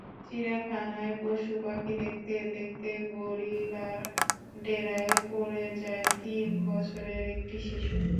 চিড়িয়াখানায় পশু–পাখি দেখতে দেখতে গরিলার ডেরায় পড়ে যায় তিন বছরের একটি শিশু।